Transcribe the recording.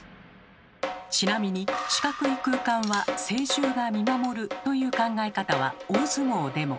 ちなみに「四角い空間は聖獣が見守る」という考え方は大相撲でも。